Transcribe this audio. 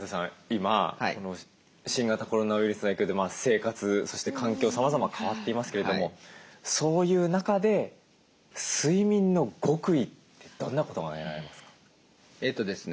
今新型コロナウイルスの影響で生活そして環境さまざま変わっていますけれどもそういう中で「睡眠の極意」ってどんなことが挙げられますか？